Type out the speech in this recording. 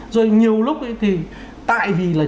rồi nhiều lúc thì tại vì là